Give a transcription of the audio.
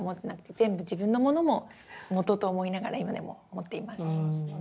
全部自分のものももとと思いながら今でも持っています。